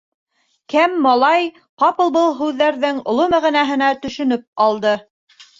Кәм малай ҡапыл был һүҙҙәрҙең оло мәғәнәһенә төшөнөп алды.